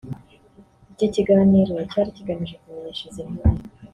Iki kiganiro cyari kigamije kumenyesha izi ntore